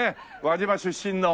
輪島出身の。